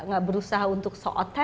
gak berusaha untuk seotek